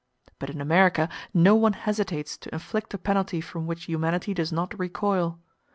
But in America no one hesitates to inflict a penalty from which humanity does not recoil.